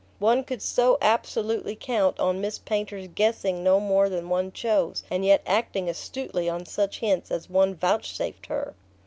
One could so absolutely count on Miss Painter's guessing no more than one chose, and yet acting astutely on such hints as one vouchsafed her!